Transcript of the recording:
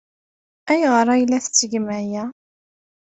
Ayɣer ay la tettgem aya?